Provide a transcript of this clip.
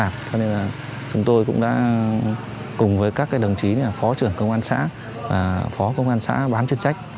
chúng tôi cũng đã cùng với các đồng chí phó trưởng công an xã phó công an xã bán chuyên trách